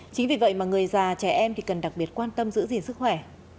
chính vì vậy mà người già trẻ em thì cần đặc biệt quan tâm giữ gìn sức khỏe